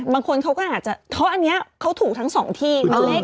บางคนเขาก็อาจจะเพราะอันนี้เขาถูกทั้ง๒ที่